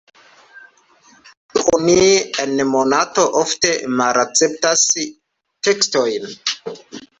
Ĉu oni en Monato ofte malakceptas tekstojn?